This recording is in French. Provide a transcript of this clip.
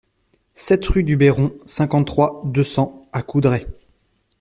sept rue du Béron, cinquante-trois, deux cents à Coudray